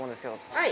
はい。